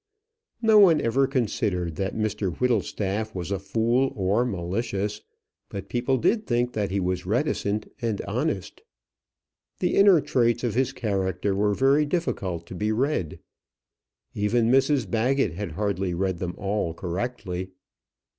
No one ever considered that Mr Whittlestaff was a fool or malicious; but people did think that he was reticent and honest. The inner traits of his character were very difficult to be read. Even Mrs Baggett had hardly read them all correctly.